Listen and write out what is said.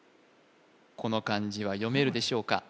この漢字は読めるでしょうか？